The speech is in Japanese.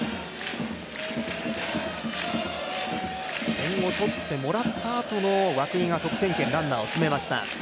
点を取ってもらったあとの涌井が得点圏ランナーを進めました。